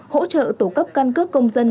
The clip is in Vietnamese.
hỗ trợ tổ cấp căn cứ công dân